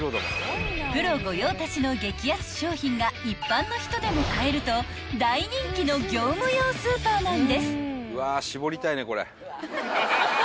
［プロ御用達の激安商品が一般の人でも買えると大人気の業務用スーパーなんです］